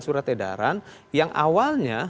surat edaran yang awalnya